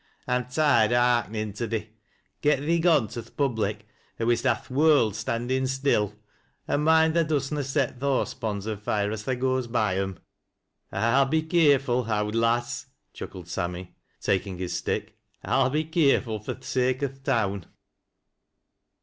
"I'm tired o' hearkenin' to thee Get thee gone to th' Public, or we'st ha' th' world stand iu' still; an' moiiid tha do'st na set th' horse ponds afire as tha goes by 'em." ' Pll be keerful, owd lass," chuckled Sammy, taking his stick. " Pll be keerful for th' sake o' th' town."